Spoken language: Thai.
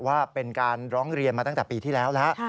ว่าเป็นการร้องเรียนมาตั้งแต่ปีที่แล้วแล้ว